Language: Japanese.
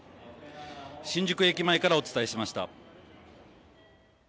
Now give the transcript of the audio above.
新宿駅前からお伝えしました。